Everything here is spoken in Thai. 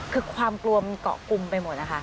คือความกลัวมันเกาะกลุ่มไปหมดนะคะ